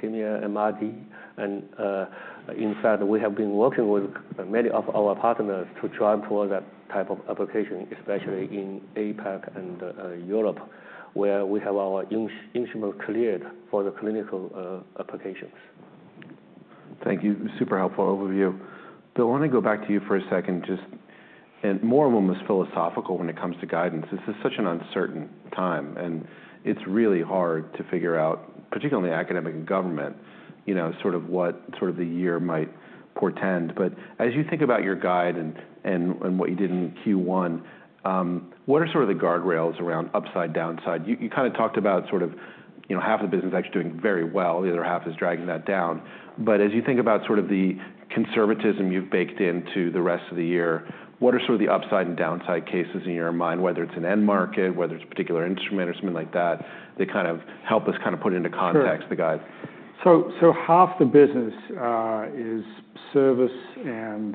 Leukemia, MRD. In fact, we have been working with many of our partners to drive toward that type of application, especially in APEC and Europe where we have our instrument cleared for the clinical applications. Thank you. Super helpful overview. Bill, I want to go back to you for a second, just more almost philosophical when it comes to guidance. This is such an uncertain time and it's really hard to figure out, particularly academic and government, you know, sort of what the year might portend. As you think about your guide and what you did in Q1, what are the guardrails around upside, downside? You kind of talked about, you know, half the business actually doing very well, the other half is dragging that down. As you think about sort of the conservatism you've baked into the rest of the year, what are sort of the upside and downside cases in your mind, whether it's an end market, whether it's a particular instrument or something like that, that kind of help us kind of put into context the guide. Half the business is service and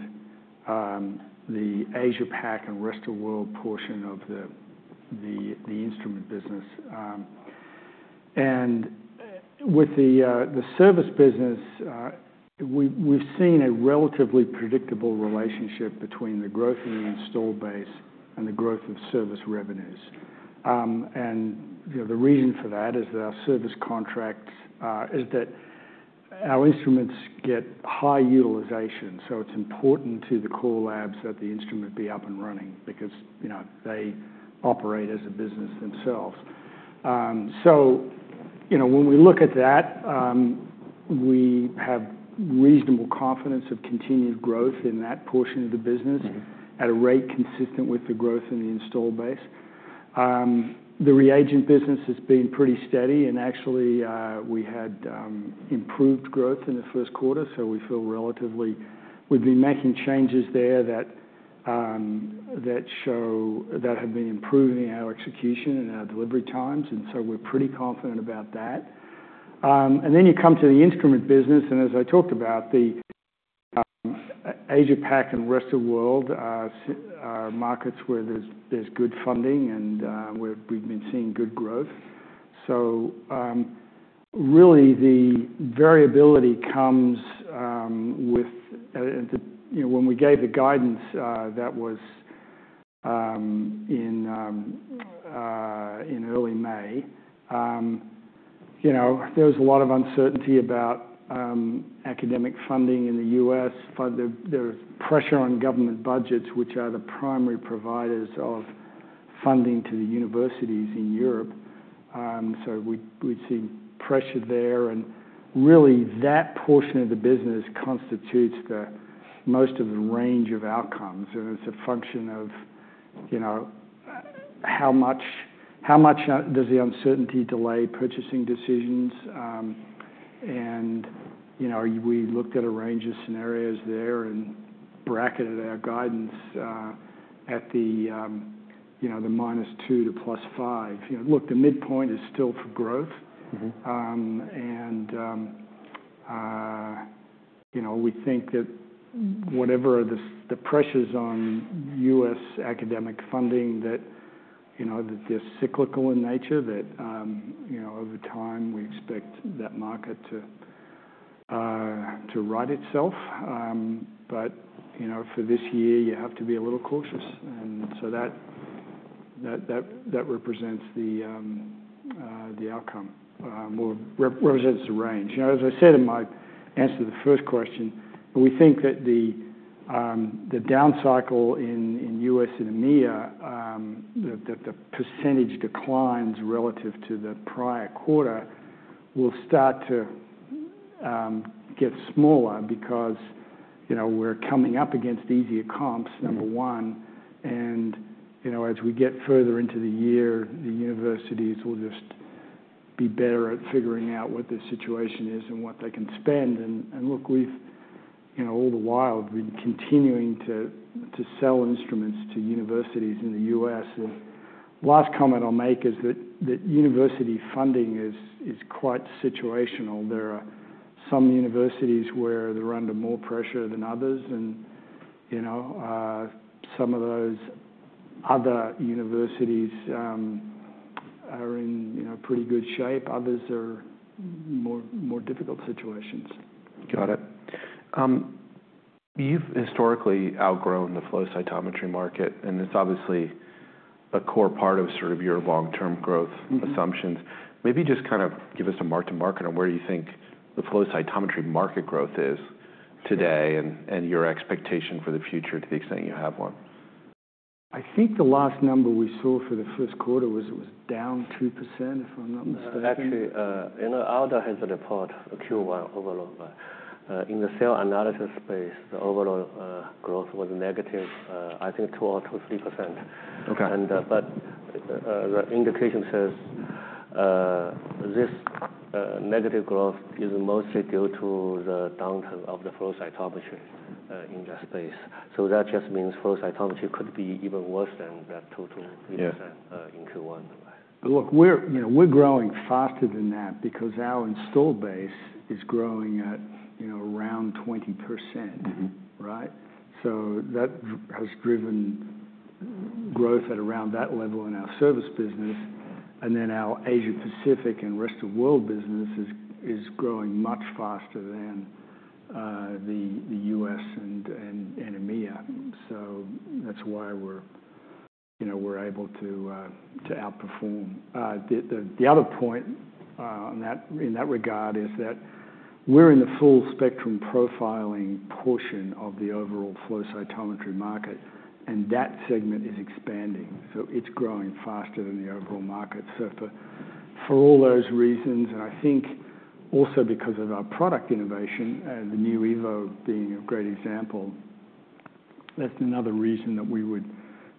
the Asia Pacific and rest of world portion of the instrument business. With the service business, we've seen a relatively predictable relationship between the growth in the installed base and the growth of service revenues. The reason for that is that our service contracts, as our instruments get high utilization. It's important to the core labs that the instrument be up and running because, you know, they operate as a business themselves. You know, when we look at that, we have reasonable confidence of continued growth in that portion of the business at a rate consistent with the growth in the installed base. The reagent business has been pretty steady and actually we had improved growth in the first quarter. We feel relatively we've been making changes there that show that have been improving our execution and our delivery times. We're pretty confident about that. You come to the instrument business and as I talked about, the Asia Pacific and rest of the world are markets where there's good funding and where we've been seeing good growth. Really the variability comes with when we gave the guidance that was in early May, you know, there was a lot of uncertainty about academic funding in the U.S. Pressure on government budgets, which are the primary providers of funding to the universities in Europe. We've seen pressure there and really that portion of the business constitutes the most of the range of outcomes. It's a function of, you know, how much does the uncertainty delay purchasing decisions. You know, we looked at a range of scenarios there and bracketed our guidance at the minus 2% to plus 5%. You know, the midpoint is still for growth and you know, we think that whatever the pressures on US academic funding, you know, they're cyclical in nature, that you know, over time we expect that market to right itself. You know, for this year you have to be a little cautious. That represents the outcome, represents the range. As I said in my answer to the first question, we think that the down cycle in US and EMEA, that the percentage declines relative to the prior quarter will start to get smaller because you know, we're coming up against easier comps, number one. You know, as we get further into the year the universities will just be better at figuring out what the situation is and what they can spend. Look, we've, you know, all the while we're continuing to sell instruments to universities in the U.S. Last comment I'll make is that university funding is quite situational. There are some universities where they're under more pressure than others and, you know, some of those other universities are in pretty good shape, others are more difficult situations. Got it. You've historically outgrown the flow cytometry market and it's obviously a core part of sort of your long term growth assumptions. Maybe just kind of give us a mark to market on where you think the flow cytometry market growth is today and your expectation for the future to the extent you have one. I think the last number we saw for the first quarter was it was down 2% if I'm not mistaken. Actually, Aldo has a report, Q1 overload in the cell analysis space. The overall growth was negative, I think 2% or 3%. The indication says this negative growth is mostly due to the downturn of the flow cytometry in that space. That just means flow cytometry could be even worse than that total in Q1. Look, we're growing faster than that because our install base is growing at around 20%. Right? So that has driven growth at around that level in our service business. Then our Asia Pacific and rest of world business is growing much faster than the U.S. and EMEA. That is why we're able to outperform. The other point in that regard is that we're in the full spectrum process profiling portion of the overall flow cytometry market and that segment is expanding, so it's growing faster than the overall market. For all those reasons, and I think also because of our product innovation, the new EVO being a great example, that's another reason that we would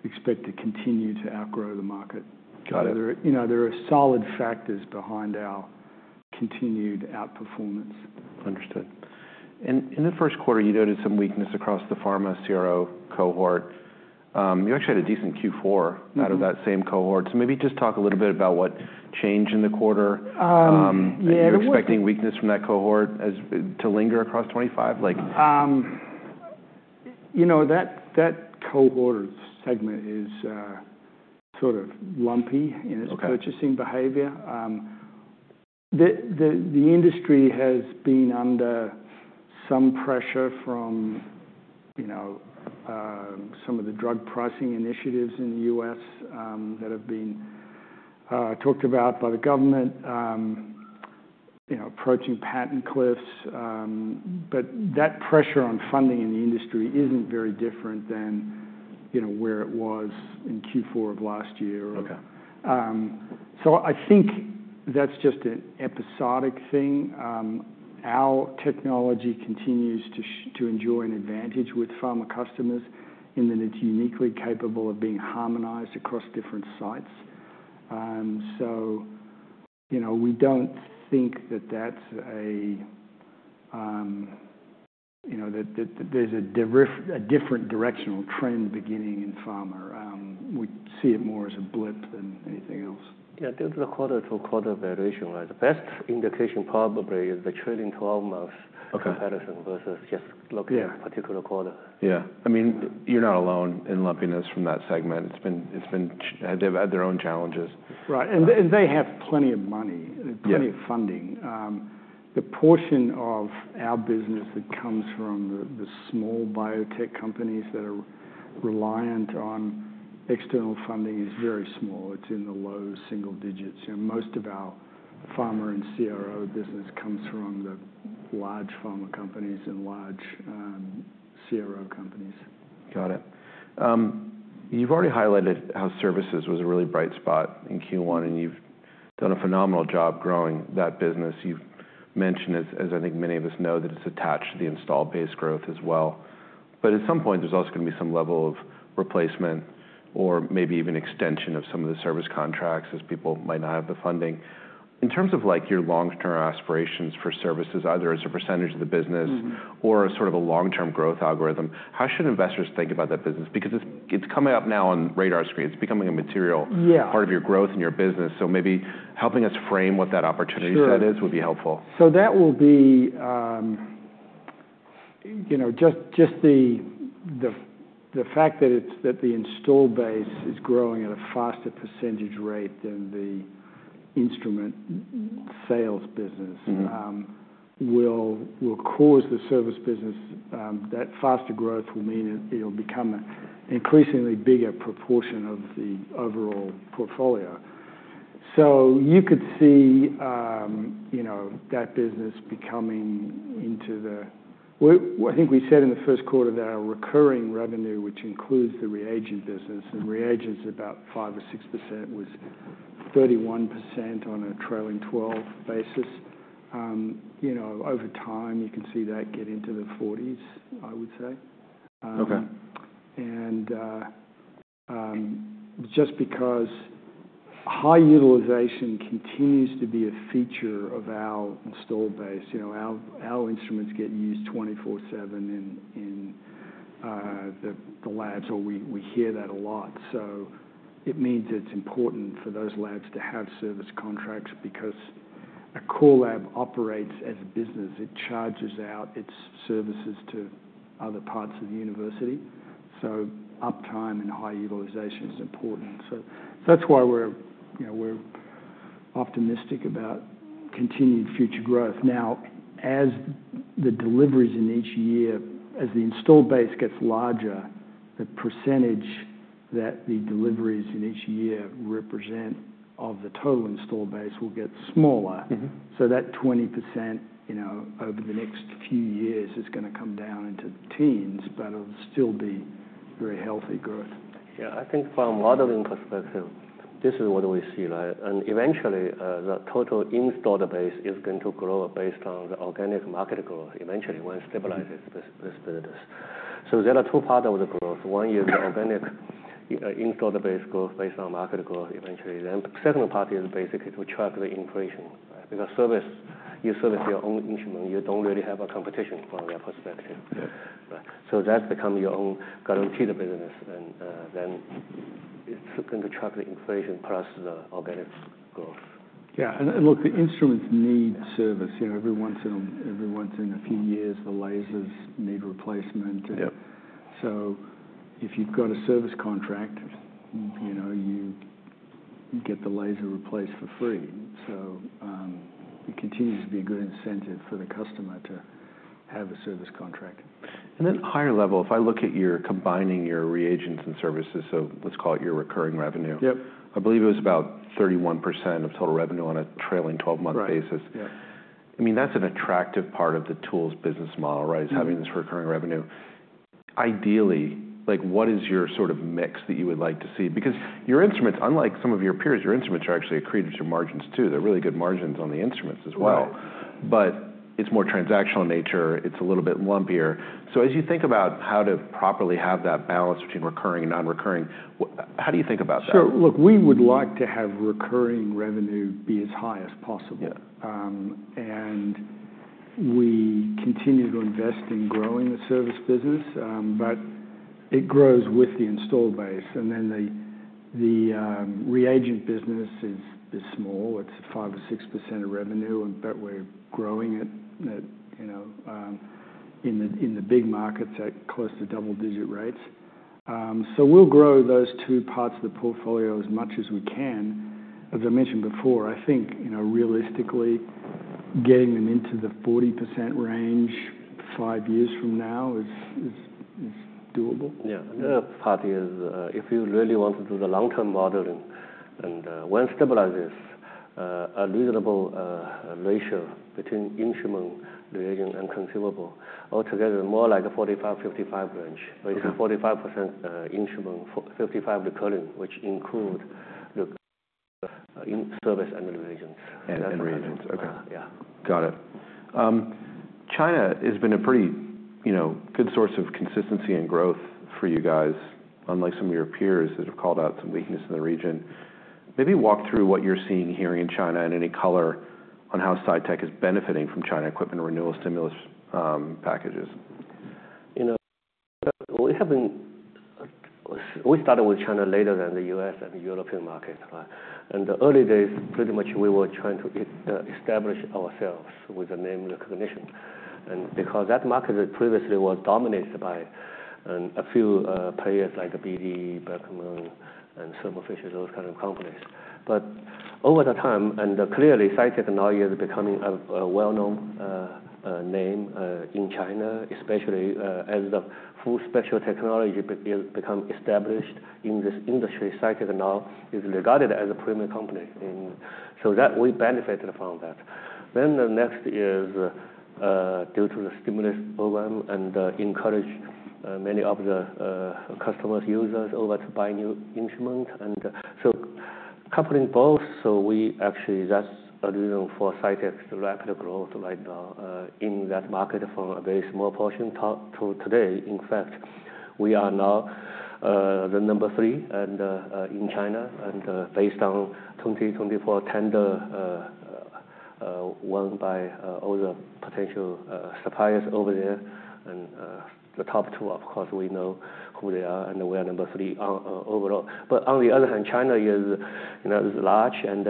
expect to continue to outgrow the market. You know, there are solid factors behind our continued outperformance. Understood. In the first quarter you noticed some weakness across the pharma CRO cohort. You actually had a decent Q4 out of that same cohort. Maybe just talk a little bit about what changed in the quarter. Are you expecting weakness from that cohort to linger across 2025? You know, that cohort segment is sort of lumpy in its purchasing behavior. The industry has been under some pressure from, you know, some of the drug pricing initiatives in the U.S. that have been talked about by the government, you know, approaching patent cliffs. That pressure on funding in the industry isn't very different than, you know, where it was in Q4 of last year. I think that's just an episodic thing. Our technology continues to enjoy an advantage with pharma customers in that it's uniquely capable of being harmonized across different sites. You know, we don't think that there's a different directional trend beginning in pharma. We see it more as a blip than anything else. Yeah. Due to the quarter-to-quarter variation, the best indication probably is the trailing 12 months comparison versus just looking at a particular quarter. Yeah. I mean you're not alone in lumpiness from that segment. They've had their own challenges. Right. They have plenty of money, plenty of funding. The portion of our business that comes from the small biotech companies that are reliant on external funding is very small. It's in the low single digits. Most of our pharma and CRO business comes from the large pharma companies and large CRO companies. Got it. You've already highlighted how services was a really bright spot in Q1 and you've done a phenomenal job growing that business. You've mentioned as I think many of us know that it's attached to the installed base growth as well. At some point there's also going to be some level of replacement or maybe even extension of some of the service contracts as people might not have the funding. In terms of like your long term aspirations for services, either as a percentage of the business or sort of a long term growth algorithm, how should investors think about that business? Because it's coming up now on radar screen. It's becoming a material part of your growth in your business. Maybe helping us frame what that opportunity set is would be helpful. That will be, you know, just the fact that it's that the installed base is growing at a faster percentage rate than the instrument sales business will cause the service business. That faster growth will mean it will become an increasingly bigger proportion of the overall portfolio. You could see, you know, that business becoming into the, I think we said in the first quarter that our recurring revenue, which includes the reagent business, and reagents about 5% or 6%, was 31% on a trailing 12 basis. You know, over time you can see that get into the 40s, I would say. Okay. Just because high utilization continues to be a feature of our installed base, you know, our instruments get used 24/7 in the labs or we hear that a lot. It means it's important for those labs to have service contracts because a core lab operates as a business, it charges out its services to other parts of the university. Uptime and high utilization is important. That's why we're, you know, we're optimistic about continued future growth. Now, as the deliveries in each year, as the installed base gets larger, the percentage that the deliveries in each year represent of the total installed base will get smaller. That 20% over the next few years is going to come down into teens, but it'll still be very healthy growth. Yeah, I think from modeling perspective this is what we see. Eventually the total installed base is going to grow based on the organic market growth. Eventually when stabilizes this business. There are two parts of the growth. One is organic installed base growth based on market growth eventually. The second part is basically to track the inflation. Because service, you service your own instrument, you don't really have a competition from that perspective. That becomes your own guaranteed business. It is going to track the inflation plus the organic growth. Yeah. Look, the instruments need service every once in a while, years the lasers need replacement. If you've got a service contract, you know, you get the laser replaced for free. It continues to be a good incentive for the customer to have a service contract. If I look at your combining your reagents and services, let's call it your recurring revenue. Yep, I believe it was about 31% of total revenue on a trailing 12 month basis. I mean that's an attractive part of the tools business model, right? Is having this recurring revenue ideally. What is your sort of mix that you would like to see? Because your instruments, unlike some of your peers, your instruments are actually accretive to margins too. There are really good margins on the instruments as well, but it's more transactional in nature. It's a little bit lumpier. As you think about how to properly have that balance between recurring and non-recurring, how do you think about that? Sure. Look, we would like to have recurring revenue be as high as possible and we continue to invest in growing the service business but it grows with the installed base and then the reagent business is small, it's 5% or 6% of revenue but we're growing it in the big markets at close to double-digit rates. So we'll grow those two parts of the portfolio as much as we can. As I mentioned before, I think realistically getting them into the 40% range five years from now is doable. Yeah. Another part is if you really want to do the long term modeling and when stabilizes a reasonable ratio between instrument, reagent, and consumable altogether, more like a 45-55 range. 45% instrument, 55% recurring, which include the service and reagents. Okay, yeah, got it. China has been a pretty, you know, good source of consistency and growth for you guys. Unlike some of your peers that have called out some weakness in the region. Maybe walk through what you're seeing here in China and any color on how Cytek is benefiting from China equipment renewal stimulus packages. You know we haven't, we started with China later than the US and European market. In the early days, pretty much we were trying to establish ourselves with the name recognition, and because that market previously was dominated by a few players like BD, Beckman, and superficial, those kind of companies. Over the time, and clearly Cytek technology is becoming a well known name in China, especially as the full spectrum technology become established in this industry. Cytek now is regarded as a premium company, so that we benefited from that. The next is due to the stimulus program and encourage many of the customers, users, over to buy new instruments, and so coupling both. We actually, that's a reason for Cytek's rapid growth right now in that market from a very small portion to today. In fact we are now the number three in China and based on 2024 tender won by all the potential suppliers over there and the top two, of course we know who they are, and we are number three overall. On the other hand, China is large and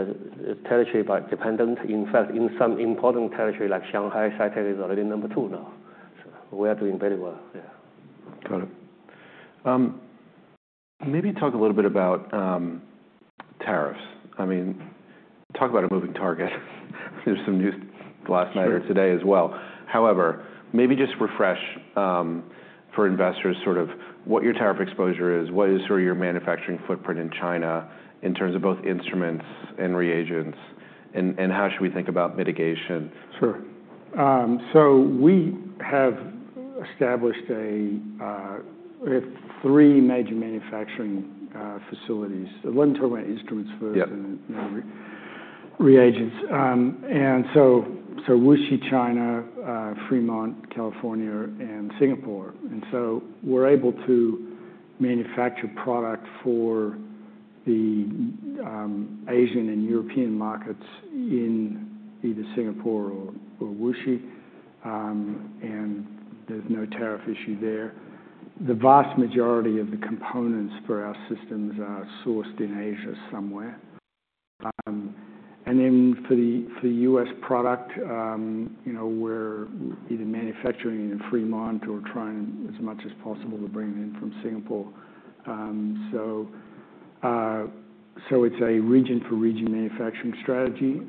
territory dependent. In fact, in some important territory like Shanghai, Cytek is number two now. We are doing very well. Got it. Maybe talk a little bit about tariffs. I mean, talk about a moving target. There's some news last night or today as well. However, maybe just refresh for investors. Sort of what your tariff exposure is, what is sort of your manufacturing footprint in China in terms of both instruments and reagents. How should we think about mitigation? Sure. We have established three major manufacturing facilities. Let me talk about instruments first and reagents. Wuxi, China, Fremont, California, and Singapore. We are able to manufacture product for the Asian and European markets in either Singapore or Wuxi. There is no tariff issue there. The vast majority of the components for our systems are sourced in Asia somewhere. For the US product, you know, we are either manufacturing in Fremont or trying as much as possible to bring it in from Singapore. It is a region for region manufacturing strategy.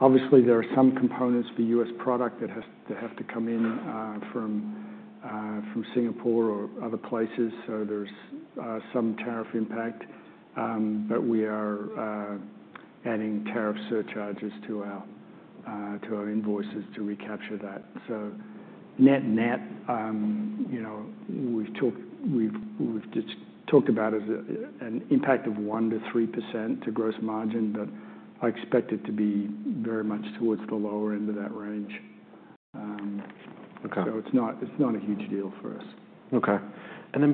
Obviously there are some components for US product that have to come in from Singapore or other places. There is some tariff impact. We are adding tariff surcharges to our invoices to recapture that. Net net, you know, we've talked, we've just talked about an impact of 1%-3% to gross margin, but I expect it to be very much towards the lower end of that range. It's not, it's not a huge deal for us. Okay.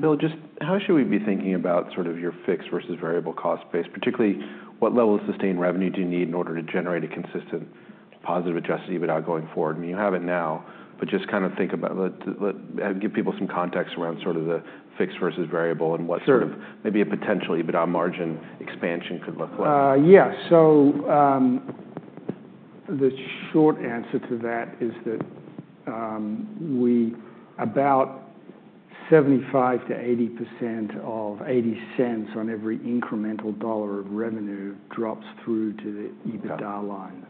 Bill, just how should we be thinking about sort of your fixed versus variable cost base? Particularly what level of sustained revenue do you need in order to generate a consistent positive adjusted EBITDA going forward? You have it now, but just kind of think about, give people some context around sort of the fixed versus variable and what sort of maybe a potential EBITDA margin expansion could look like. Yeah, so the short answer to that is that we, about 75-80% of 80 cents on every incremental dollar revenue drops through to the EBITDA line.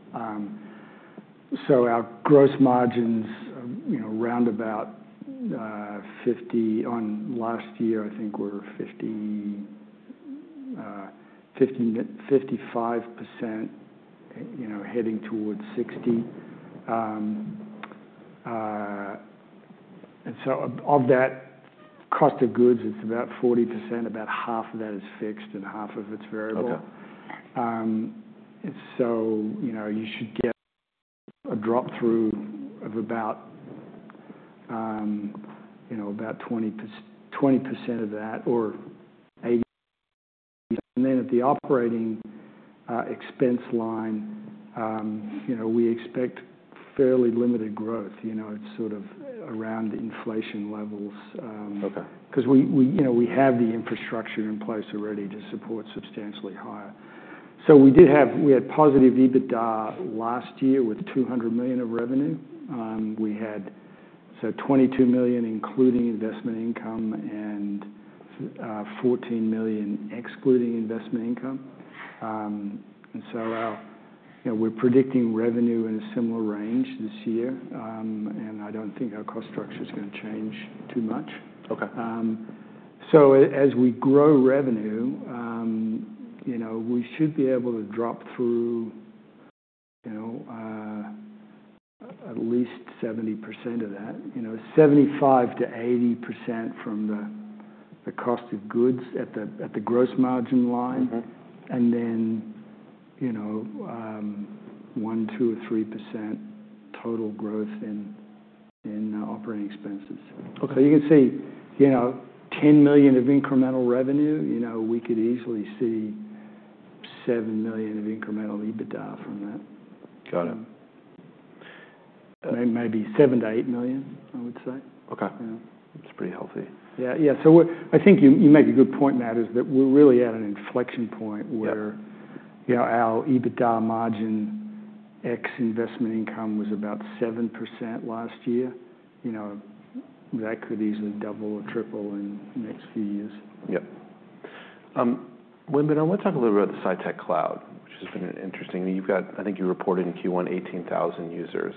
So our gross margins, you know, roundabout 50 on last year I think were 50, 50, 55%, you know, heading towards 60. And so of that cost of goods, it's about 40%. About half of that is fixed and half of it's variable. So, you know, you should get a drop through of about, you know, about 20, 20% of that or 80. At the operating expense line, you know, we expect fairly limited growth. You know, it's sort of around inflation levels because we have the infrastructure in place already to support substantially higher. We did have, we had positive EBITDA last year with $200 million of revenue. We had, so $22 million including investment income and $14 million excluding investment income. We are predicting revenue in a similar range this year. I do not think our cost structure is going to change too much. As we grow revenue, you know, we should be able to drop through, you know, at least 70% of that, you know, 75-80% from the cost of goods at the gross margin line and then, you know, 1, 2 or 3% total growth in operating expenses. Okay. You can see, you know, $10 million of incremental revenue. You know, we could easily see $7 million of incremental EBITDA from that. Got it. Maybe $7 million to $8 million, I would say. Okay. It's pretty healthy. Yeah, yeah. I think you make a good point, Matt, is that we're really at an entire inflection point where our EBITDA margin ex investment income was about 7% last year. That could easily double or triple in next few years. Yep. Wenbin, I want to talk a little bit about the Cytek Cloud, which has been interesting. You've got, I think you reported in Q1, 18,000 users.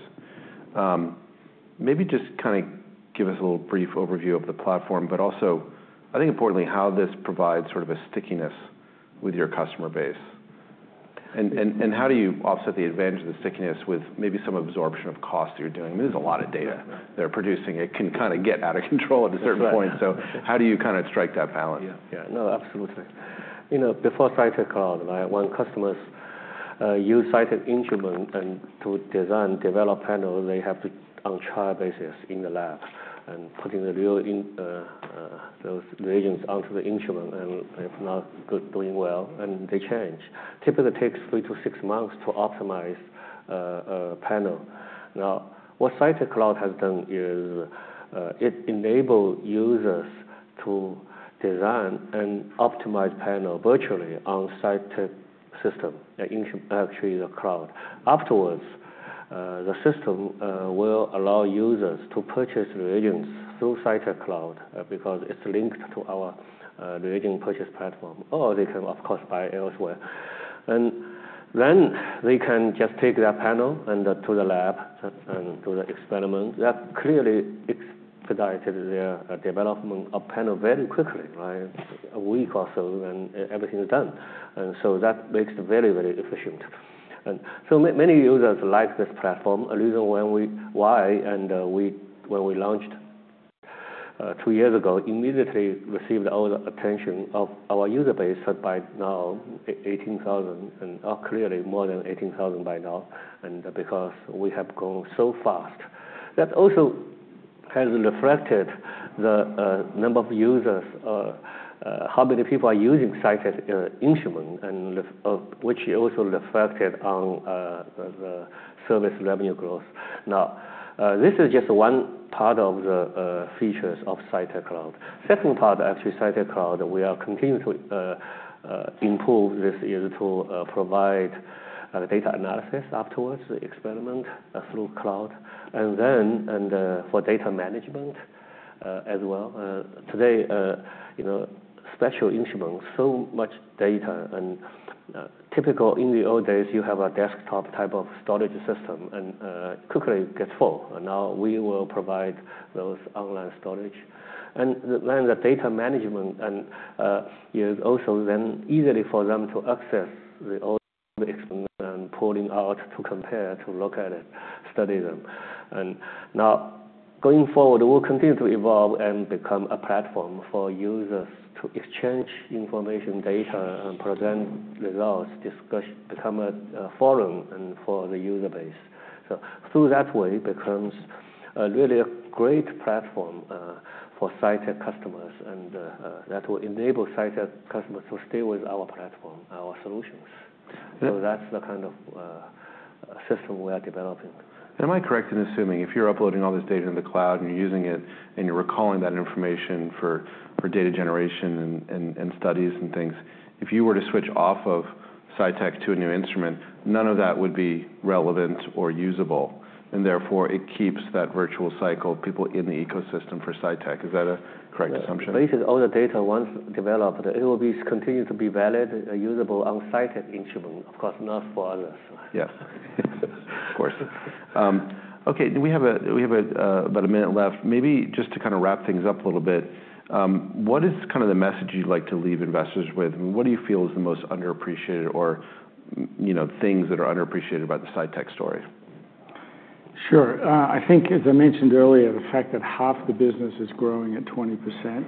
Maybe just kind of give us a little brief overview of the platform. But also I think importantly how this provides sort of a stickiness with your customer base and how do you offset the advantage of the stickiness with maybe some absorption of cost that you're doing. There's a lot of data they're producing. It can kind of get out of control at a certain point. How do you kind of strike that balance? Yeah, no, absolutely. You know, before Cytek Cloud, when customers used Cytek instrument to design, develop panel, they have to on trial basis in the lab and putting those reagents onto the instrument and if not doing well and they change typically takes three to six months to optimize a panel. Now what Cytek Cloud has done is it enabled users to design and optimize panel virtually on Cytek system, actually the cloud. Afterwards, the system will allow users to purchase reagents through Cytek Cloud because it's linked to our reagent purchase platform or they can of course buy elsewhere and then they can just take that panel and to the lab and do the experiment. That clearly expedited their development of panel very quickly, a week or so when everything is done. That makes it very, very efficient. Many users like this platform. A reason why when we launched two years ago immediately received all the attention of our user base by now 18,000 and clearly more than 18,000 by now. Because we have grown so fast, that also has reflected the number of users how many people are using Cytek instrument, which also reflected on the service revenue growth. Now this is just one part of the features of Cytek Cloud. Second part actually Cytek Cloud we are continuing to improve this is to provide data analysis afterwards the experiment through cloud and then for data management as well. Today special instruments, so much data and typical in the old days you have a desktop type of storage system and quickly gets full. We will provide those online storage and then the data management is also then easily for them to access the old, pulling out to compare, to look at it, study them. Going forward, we'll continue to evolve and become a platform for users to exchange information, data and present results, become a forum for the user base. Through that way, it becomes really a great platform for Cytek customers and that will enable Cytek customers to stay with our platform, our solutions. That's the kind of system we are developing. Am I correct in assuming if you're uploading all this data in the cloud and you're using it and you're recalling that information for data generation and studies and things, if you were to switch off of Cytek to a new instrument, none of that would be relevant or usable and therefore it keeps that virtual cycle people in the ecosystem for Cytek. Is that a correct assumption? Basically all the data once developed, it will continue to be valid, usable, on-site instrument. Of course, not for others. Yes, of course. Okay, we have about a minute left, maybe just to kind of wrap things up a little bit. What is kind of the message you'd like to leave investors with? What do you feel is the most underappreciated or, you know, things that are underappreciated by the Cytek story? Sure. I think as I mentioned earlier, the fact that half the business is growing at 20%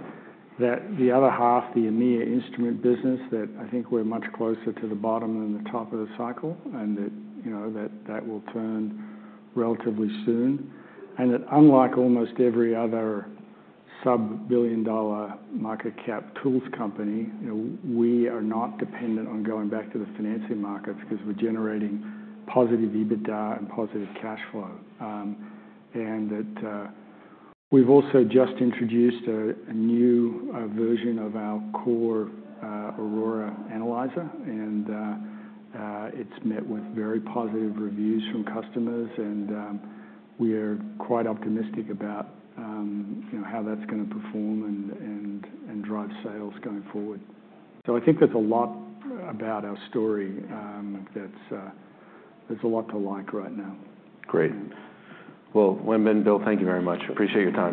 that the other half, the EMEA instrument business, that I think we're much closer to the bottom than the top of the cycle and that, you know, that will turn relatively soon and that unlike almost every other sub billion dollar market cap tools company, we are not dependent on going back to the financing markets because we're generating positive EBITDA and positive cash flow and that we've also just introduced a new version of our core Aurora analyzer and it's met with very positive reviews from customers and we are quite optimistic about how that's going to perform and drive sales going forward. I think that's a lot about our story. There's a lot to like right now. Great. Wenbin, Bill, thank you very much, appreciate your time.